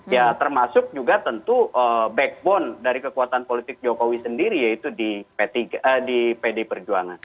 ya termasuk juga tentu backbone dari kekuatan politik jokowi sendiri yaitu di pd perjuangan